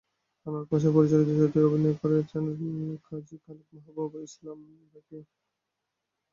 আনোয়ার পাশা পরিচালিত চলচ্চিত্রটিতে অভিনয় করেন কাজী খালেক এবং মাহবুবা ইসলাম রাখি।